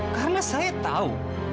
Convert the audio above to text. karena saya tahu